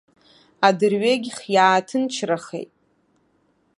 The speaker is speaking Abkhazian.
Адырҩегьх иааҭынчрахеит.